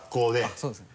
そうですね。